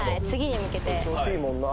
次に向けて。